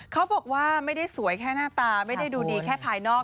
เขาบอกว่าไม่ได้สวยแค่หน้าตาไม่ได้ดูดีแค่ภายนอก